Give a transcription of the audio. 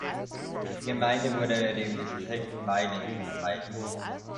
Die Gemeinde wurde dem Distrikt Meilen zugeteilt.